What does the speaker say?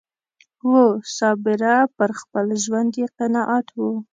وو صابره پر خپل ژوند یې قناعت و